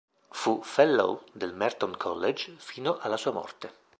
Fu fellow del Merton College fino alla sua morte.